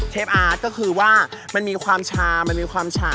อาร์ตก็คือว่ามันมีความชามันมีความฉา